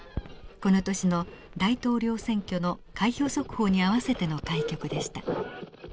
この年の大統領選挙の開票速報に合わせての開局でした。